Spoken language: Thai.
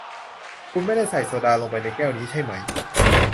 คุณไม่ได้ใส่โซดาลงไปในนี้ใช่ไหม